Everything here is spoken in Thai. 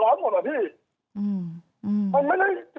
ถามว่าทุกคนมันปฏิ๔ร้อนไหมครับพี่